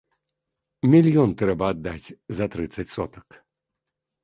Мільён трэба аддаць за трыццаць сотак.